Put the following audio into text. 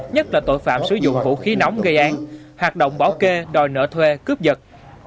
nhất là tội phạm sử dụng vũ khí nóng gây án hoạt động bảo kê đòi nợ thuê cướp giật